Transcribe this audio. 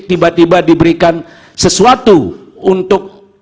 tiba tiba diberikan sesuatu untuk